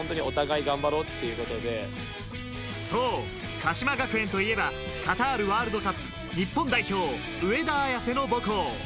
鹿島学園といえばカタールワールドカップ日本代表・上田綺世の母校。